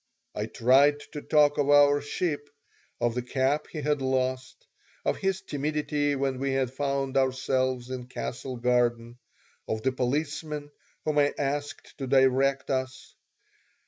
I tried to talk of our ship, of the cap he had lost, of his timidity when we had found ourselves in Castle Garden, of the policeman whom I asked to direct us.